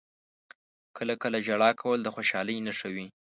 • کله کله ژړا کول د خوشحالۍ نښه وي.